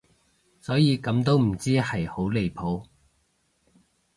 所以咁都唔知係好離譜